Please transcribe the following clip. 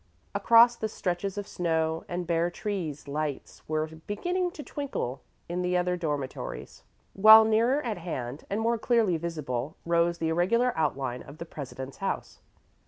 Across the stretches of snow and bare trees lights were beginning to twinkle in the other dormitories, while nearer at hand, and more clearly visible, rose the irregular outline of the president's house.